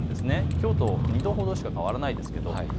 きょうと２度ほどしか変わらないです。